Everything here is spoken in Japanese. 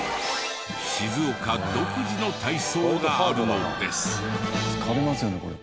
静岡独自の体操があるのです。